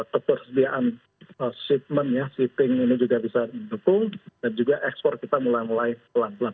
ketersediaan shipment ya shifting ini juga bisa mendukung dan juga ekspor kita mulai mulai pelan pelan